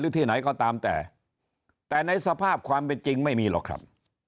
ที่ไหนก็ตามแต่แต่ในสภาพความเป็นจริงไม่มีหรอกครับ